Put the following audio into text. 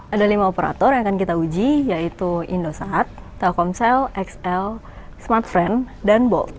ada lima operator yang akan kita uji yaitu indosat telkomsel xl smartfren dan bolt